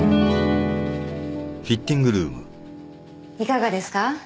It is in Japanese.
いかがですか？